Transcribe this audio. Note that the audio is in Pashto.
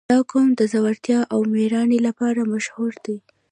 • دا قوم د زړورتیا او مېړانې لپاره مشهور دی.